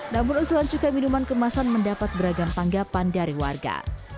namun usulan cukai minuman kemasan mendapat beragam tanggapan dari warga